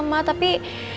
lagi satu sekretaris